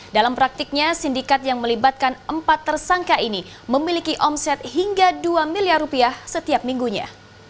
dalam praktiknya sindikat yang melibatkan empat tersangka ini memiliki omset hingga dua miliar rupiah setiap minggunya